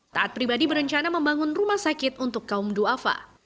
taat pribadi berencana membangun rumah sakit untuk kaum du'afa